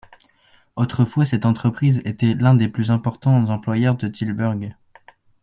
Autrefois, cette entreprise était l'un des plus importants employeurs de Tilburg.